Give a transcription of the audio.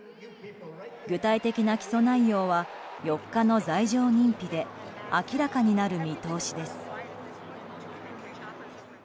具体的な起訴内容は４日の罪状認否で明らかになる見通しです。